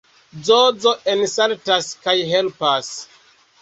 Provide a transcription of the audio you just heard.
Zozo ensaltas kaj helpas.